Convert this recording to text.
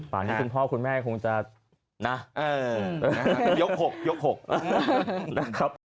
ตอนนี้คุณพ่อคุณแม่คงจะนะเอ่อยกหกยกหกนะครับ